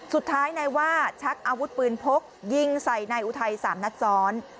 สุดท้ายนายว่าชักอาวุธปืนพกยิงใส่นายอุทัย๓นัดซ้อน